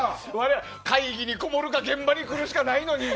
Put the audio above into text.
会議にこもるか現場に来るしかないのに。